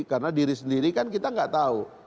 karena diri sendiri kan kita nggak tahu